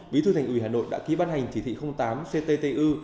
bí thư thành ủy hà nội đã ký ban hành chỉ thị tám cttu